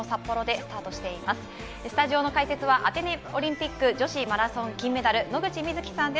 スタジオの解説はアテネオリンピック女子マラソン金メダル、野口みずきさんです。